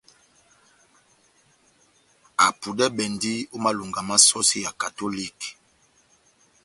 Apudɛbɛndi ó malonga má sɔsi ya katoliki.